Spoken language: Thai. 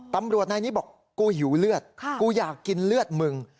ตำรวจนายนี้บอกกูหิวเลือดกูอยากกินเลือดมึง